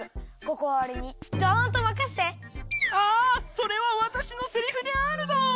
それはわたしのセリフであるドン！